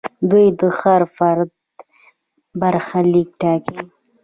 دوی د هر فرد برخلیک ټاکي.